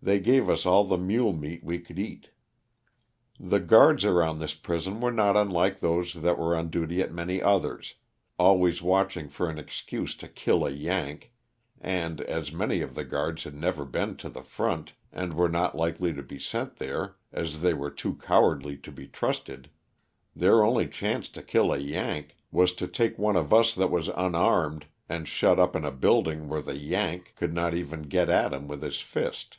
They gave us all the mule meat we could eat. The guards around this prison were not unlike those that were on duty at many others, always watching for an excuse to kill a "Yank," and, as many of the guards had never been to the front and were not likely to be sent there as they were too cowardly to be trusted, their only chance to kill a "Yank" was to take one of us that was unarmed and shut up in a building where the " Yank '' could not even get at him with his fist.